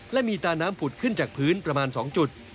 และมีตาน้ำผุดขึ้นจากพื้นประมาณ๒จุด